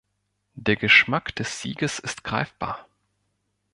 Der Geschmack des Sieges ist greifbar.